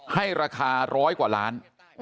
ให้ราคาร้อยกว่าล้าน